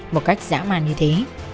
một cách giả màn như thế